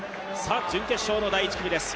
準決勝の第１組です。